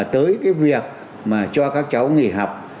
tới cái việc mà cho các cháu nghỉ học